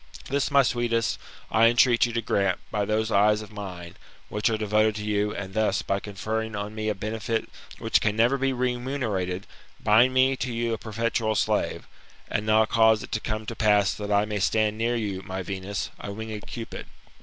This, my sweetest, I entreat you to grant, by those eyes of mine, which are devoted to you, and thus, by conferring on mt a benefit which can never be remunerated, bind me to you a perpetual slave ; and now cause it to pass that I may stand near you, my Venus, a winged Cupid.